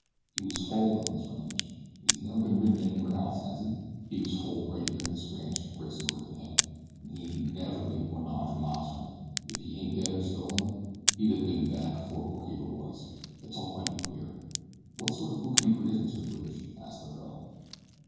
He was foaled on this range, and he's never been ridden anywhere else, has he?" "He was foaled right here on this ranch," Grayson corrected him, "and he ain't never been more'n a hundred mile from it. If he ain't dead or stolen he'd a ben back afore the bookkeeper was. It's almighty queer." "What sort of bookkeeper is Mr. Bridge?" asked the girl.